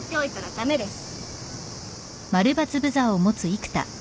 駄目です。